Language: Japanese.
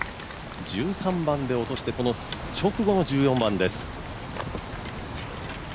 １３番で落として、直後の１４番です。